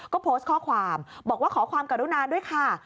ก็โพสต์ข้อความบอกว่าขอความกรุณาด้วยค่ะ